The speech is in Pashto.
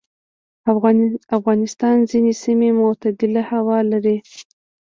افغانستان ځینې سیمې معتدلې هوا لري.